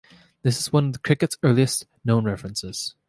This is one of cricket's earliest known references.